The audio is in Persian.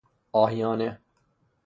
آهیانه